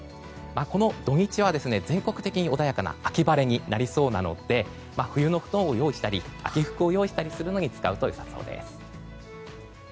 この土日は全国的に穏やかな秋晴れになりそうなので冬の布団を用意したり秋服を用意したりするのに使うと良さそうです。